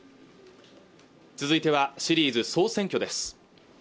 続いてはシリーズ「総選挙」です